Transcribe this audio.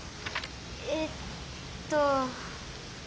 えっと。